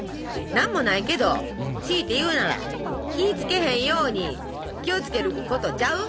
「なんもないけどしいて言うなら気いつけへんように気をつけることちゃう？」。